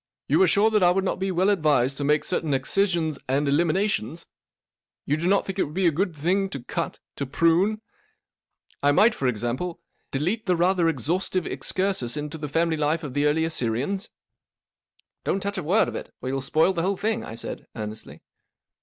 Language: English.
You are sure that I would not be well advised to make certain excisions and eliminations ? You do not think it would be a good thinglto cut, to prune ? I might, for example; delete the rather exhaustive * excursus into the family life. of the. early Assyrians ?";" Don't touch a word of it, or you'll spoil the whole thing," I said, earnestly.